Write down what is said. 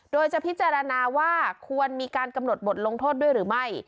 โดยจะพิจารณาว่าควรมีการกำหนดบทลงโทษด้วยหรือไม่